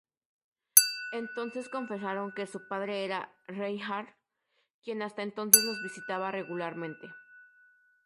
Entonces confesaron que su padre era Reinhard quien hasta entonces los visitaba regularmente.